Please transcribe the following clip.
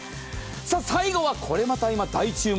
最後はこれまた今、大注目。